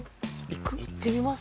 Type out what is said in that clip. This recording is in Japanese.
いってみます？